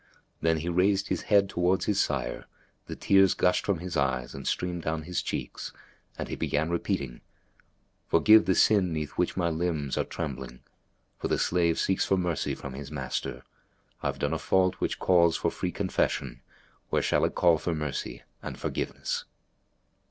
Then he raised his head towards his sire; the tears gushed from his eyes and streamed down his cheeks and he began repeating, "Forgive the sin 'neath which my limbs are trembling, For the slave seeks for mercy from his master; I've done a fault, which calls for free confession, Where shall it call for mercy, and forgiveness?''